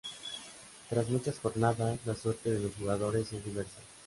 Tras muchas jornadas, la suerte de los jugadores es diversa.